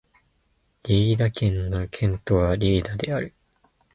リェイダ県の県都はリェイダである